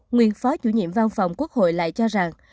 nguyên phó chủ nhiệm văn phòng quốc hội lại cho rằng